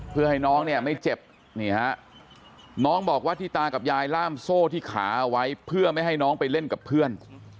เพื่อให้น้องเนี่ยไม่เจ็บนี่ฮะน้องบอกว่าที่ตากับยายล่ามโซ่ที่ขาเอาไว้เพื่อไม่ให้น้องไปเล่นกับเพื่อน